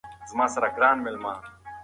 د پاچاهۍ ملازمان اندیښمن او غم لړلي ول.